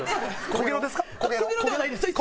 小ゲロではないです。